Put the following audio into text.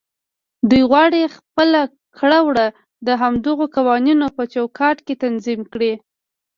دوی غواړي خپل کړه وړه د همدغو قوانينو په چوکاټ کې تنظيم کړي.